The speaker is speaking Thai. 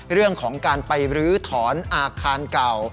เรื่องของการไปรื้อถอนอาคารเก่า